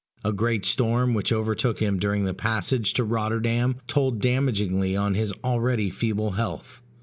A great storm which overtook him during the passage to Rotterdam told damagingly on his already feeble health.